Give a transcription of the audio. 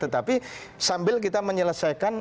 tapi sambil kita menyelesaikan